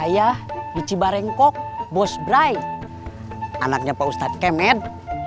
iya wicci barengkok bos brai anaknya pak ustadz kemed